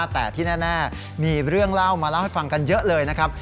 แต่ที่แน่มีเรื่องเล่ามาเล่าให้ฟังกันเยอะเลยนะครับ